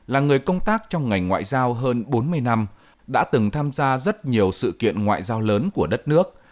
là người công tác trong ngành ngoại giao hơn bốn mươi năm đã từng tham gia rất nhiều sự kiện ngoại giao lớn của đất nước